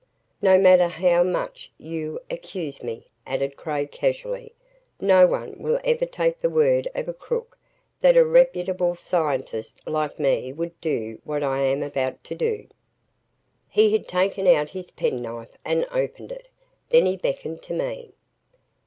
"No matter how much YOU accuse me," added Craig casually, "no one will ever take the word of a crook that a reputable scientist like me would do what I am about to do." He had taken out his penknife and opened it. Then he beckoned to me.